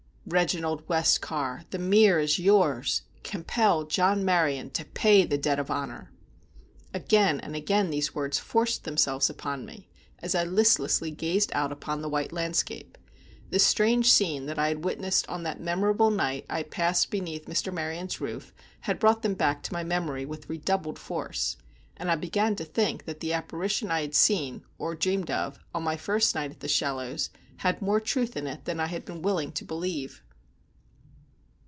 "Reginald Westcar, The Mere is yours. Compel John Maryon to pay the debt of honor!" Again and again these words forced themselves upon me, as I listlessly gazed out upon the white landscape. The strange scene that I had witnessed on that memorable night I passed beneath Mr. Maryon's roof had brought them back to my memory with redoubled force, and I began to think that the apparition I had seen—or dreamed of—on my first night at The Shallows had more of truth in it than I had been willing to believe.